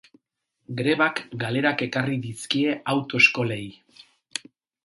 Grebak galerak ekarri dizkie autoeskolei.